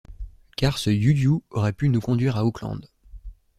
car ce you-you aurait pu nous conduire à Auckland.